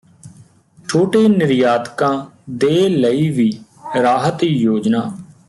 ਛੋਟੇ ਨਿਰਯਾਤਕਾਂ ਦੇ ਲਈ ਵੀ ਰਾਹਤ ਯੋਜਨਾ